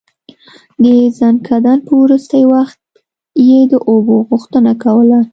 د ځنکدن په وروستی وخت يې د اوبو غوښتنه کوله.